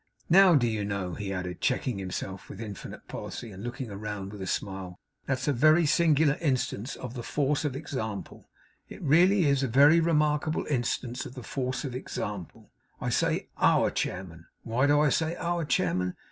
Now do you know,' he added checking himself with infinite policy, and looking round with a smile; 'that's a very singular instance of the force of example. It really is a very remarkable instance of the force of example. I say OUR chairman. Why do I say our chairman?